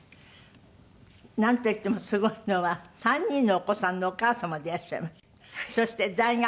なんといってもすごいのは３人のお子さんのお母様でいらっしゃいます。